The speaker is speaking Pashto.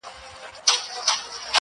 پېښه د تماشې بڼه اخلي او درد پټيږي-